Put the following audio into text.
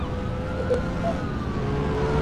এটি একটি সাধারণ ভুল।